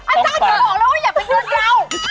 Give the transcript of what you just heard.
อาจารย์จะบอกแล้วว่าอย่าไปเยือนเรา